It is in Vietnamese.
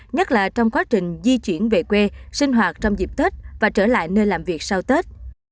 nhất là trong quá trình di chuyển về quê sinh hoạt trong dịp tết và trở lại nơi làm việc sau tết